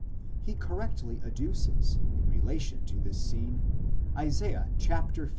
He correctly adduces in relation to this scene Isa. 1. 6 f.